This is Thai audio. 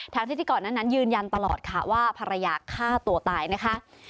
ทั้งที่ที่ก่อนนั้นยืนยันตลอดค่ะว่าภรรยาฆ่าตัวตายนะคะ